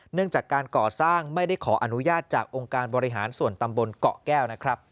เนื่องจากการก่อสร้างไม่ได้ขออนุญาตจากองค์การบริหารส่วนตำบลเกาะแก้วนะครับ